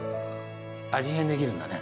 味変できるんだね。